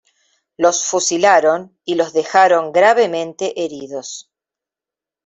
Los fusilaron y los dejaron gravemente heridos.